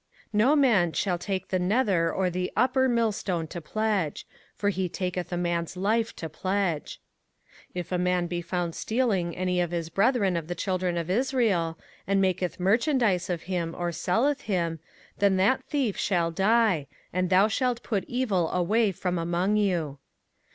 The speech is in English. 05:024:006 No man shall take the nether or the upper millstone to pledge: for he taketh a man's life to pledge. 05:024:007 If a man be found stealing any of his brethren of the children of Israel, and maketh merchandise of him, or selleth him; then that thief shall die; and thou shalt put evil away from among you.